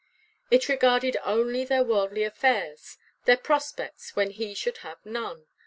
It regarded only their worldly affairs; their prospects, when he should have none.